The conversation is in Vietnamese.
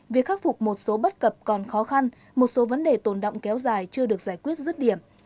việc khắc phục một số bất cập còn khó khăn một số vấn đề tồn động kéo dài chưa được giải quyết rứt điểm